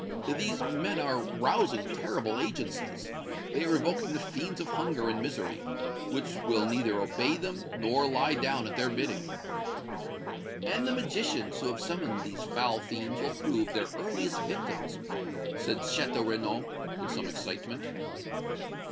These men are rousing terrible agencies. They are evoking the fiends of hunger and misery, which will neither obey them nor lie down at their bidding." "And the magicians who have summoned these foul fiends will prove their earliest victims!" said Château Renaud, in some excitement.